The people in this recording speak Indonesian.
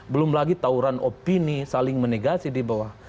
belum lagi tawuran opini saling menegasi di bawah